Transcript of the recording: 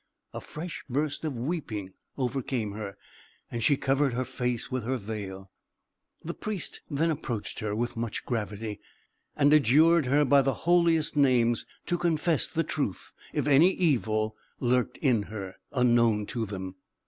A fresh burst of weeping overcame her, and she covered her face with her veil. The Priest then approached her with much gravity, and adjured her by the holiest names to confess the truth, if any evil lurked in her, unknown to them.